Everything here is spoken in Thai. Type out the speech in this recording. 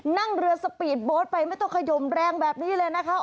นั่งเรือสปีดโบ๊ทไปไม่ต้องขยมแรงแบบนี้เลยนะคะ